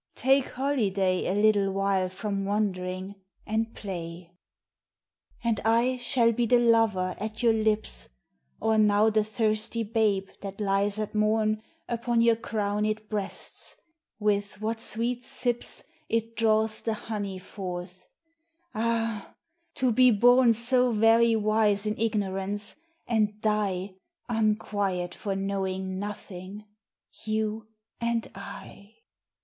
Take holiday A little while from wondering, and play. And I shall be the lover at your lips, Or now the thirsty babe that lies at morn Upon your crowned breasts, with what sweet sips It draws the honey forth. Ah ! to be born So very wise in ignorance, and die Unquiet for knowing nothing, you and I.